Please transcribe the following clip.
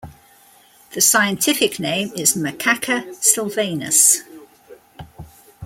The scientific name is "Macaca sylvanus".